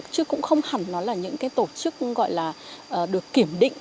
chứ cũng không hẳn nó là những cái tổ chức gọi là được kiểm định